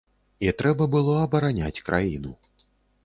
І трэба было абараняць краіну.